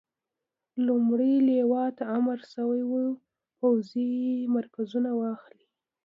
لومړۍ لواء ته امر شوی وو پوځي مرکزونه واخلي.